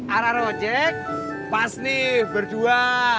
ara ara ojek pas nih berdua